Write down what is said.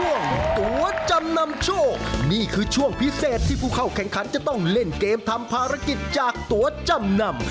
ตัวจำนำโชคนี่คือช่วงพิเศษที่ผู้เข้าแข่งขันจะต้องเล่นเกมทำภารกิจจากตัวจำนำ